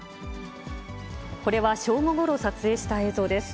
これは正午ごろ、撮影した映像です。